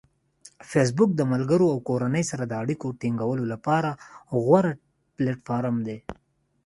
فېسبوک د ملګرو او کورنۍ سره د اړیکې ټینګولو لپاره غوره پلیټفارم دی.